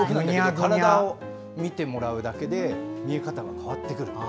体を見てもらうだけで見え方が変わってくる。